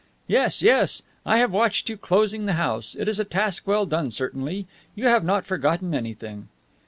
"Yes, yes. I have watched you closing the house. It is a task well done, certainly. You have not forgotten anything."